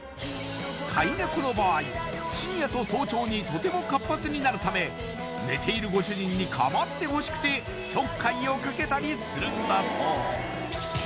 飼いネコの場合深夜と早朝にとても活発になるため寝ているご主人に構ってほしくてちょっかいをかけたりするんだそう